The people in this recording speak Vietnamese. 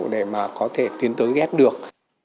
để mà có thể tiến tới ghép được